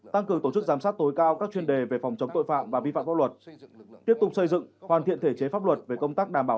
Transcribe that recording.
tăng cường tổ chức giám sát tối cao các chuyên đề về phòng chống tội phạm và vi phạm pháp luật